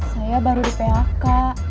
saya baru di phk